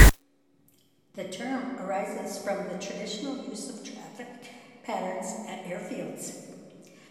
The term arises from the traditional use of traffic patterns at airfields.